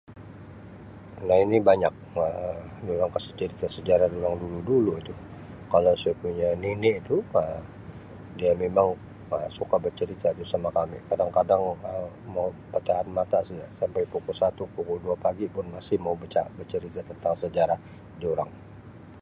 Kalau ini banyak Um dorang kasi cerita sejarah dorang dulu-dulu itu kalau saya punya nenek tu Um dia memang Um suka becerita tu sama kami kadang-kadang Um mau tahan mata saja sampai pukul satu pukul dua pagi pun masih mau beca mau becerita tentang sejarah diorang.